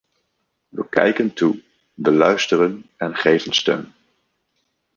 We kijken toe, we luisteren en geven steun.